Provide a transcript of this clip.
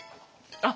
あっ！